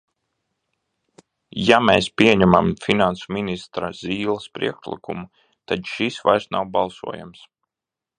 Ja mēs pieņemam finansu ministra Zīles priekšlikumu, tad šis vairs nav balsojams.